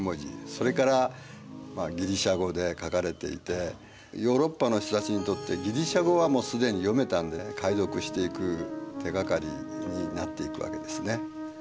それからギリシア語で書かれていてヨーロッパの人たちにとってギリシア語はもう既に読めたんでね解読していく手がかりになっていくわけですね。